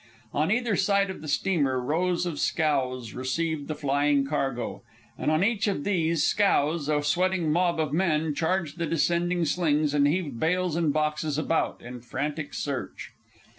On either side of the steamer, rows of scows received the flying cargo, and on each of these scows a sweating mob of men charged the descending slings and heaved bales and boxes about in frantic search.